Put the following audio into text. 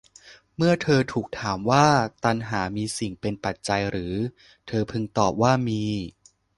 เมื่อเธอถูกถามว่า ตัณหามีสิ่งเป็นปัจจัยหรือ เธอพึงตอบว่ามี